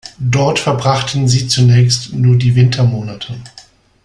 Dort verbrachten sie zunächst nur die Wintermonate.